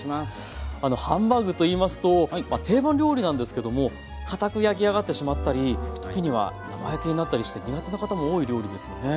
あのハンバーグといいますと定番料理なんですけどもかたく焼き上がってしまったり時には生焼けになったりして苦手な方も多い料理ですよね？